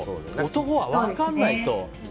男が分からないと。